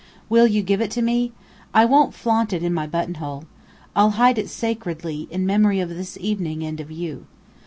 Will you give it to me? I won't flaunt it in my buttonhole. I'll hide it sacredly, in memory of this evening and of you.